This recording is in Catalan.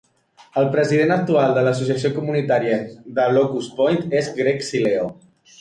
El president actual de l'Associació Comunitària de Locus Point és Greg Sileo.